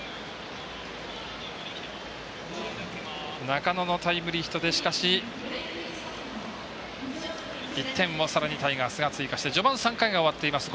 中野のタイムリーヒットで１点をさらにタイガースが追加して序盤３回が終わっています。